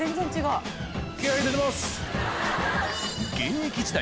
現役時代